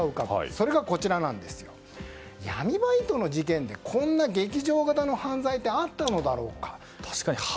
それが、闇バイトの事件でこんな劇場型の犯罪はあったのだろうか。